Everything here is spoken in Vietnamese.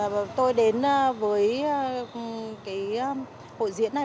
bất ngờ tôi đến với hội diễn này